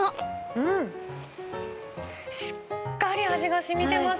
うん、しっかり味がしみてます。